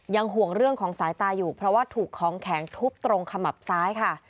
ห่วงเรื่องของสายตาอยู่เพราะว่าถูกของแข็งทุบตรงขมับซ้ายค่ะ